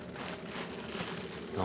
何？